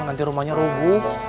nanti rumahnya rubuh